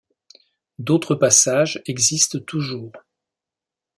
D'autres passages existent toujours.